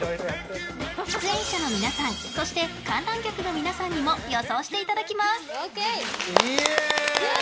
出演者の皆さんそして観覧客の皆さんにも予想していただきます！